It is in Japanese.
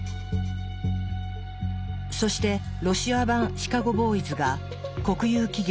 そしてロシア版シカゴ・ボーイズが国有企業